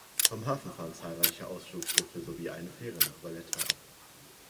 Vom Hafen fahren zahlreiche Ausflugsschiffe sowie eine Fähre nach Valletta ab.